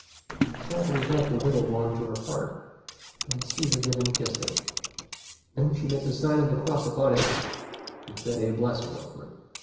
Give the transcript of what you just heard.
She sadly held the little one to her heart, and soothed it and kissed it. Then she made the sign of the cross upon it and said a blessing over it.